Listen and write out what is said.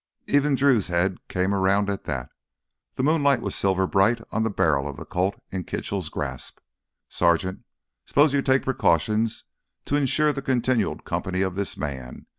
Even Drew's head came around at that. The moonlight was silver bright on the barrel of the Colt in Kitchell's grasp. "Sergeant, suppose you take precautions to insure the continued company of this man.